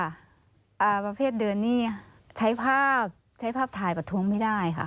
อ่าประเภทเดินนี่ใช้ภาพใช้ภาพถ่ายประท้วงไม่ได้ค่ะ